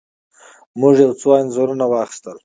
موږ یو څو انځورونه واخیستل.